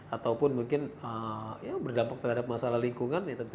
ataupun mungkin berdampak terhadap masalah lingkungan